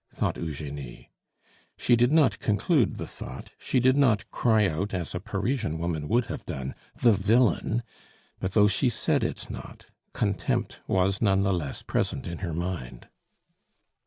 thought Eugenie. She did not conclude the thought; she did not cry out, as a Parisian woman would have done, "The villain!" but though she said it not, contempt was none the less present in her mind.